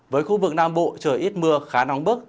với khu vực nam bộ trời ít mưa khá nóng bức